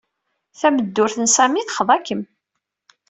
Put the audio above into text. Tameddurt n Sami texḍa-kem.